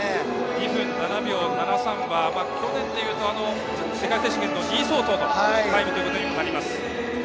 ２分７秒７３は去年でいうと世界選手権の２位相当のタイムとなります。